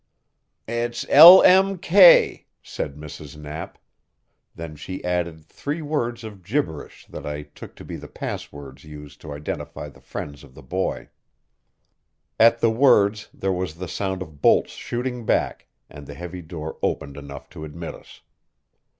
"It is L. M. K.," said Mrs. Knapp; then she added three words of gibberish that I took to be the passwords used to identify the friends of the boy. At the words there was the sound of bolts shooting back, and the heavy door opened enough to admit us.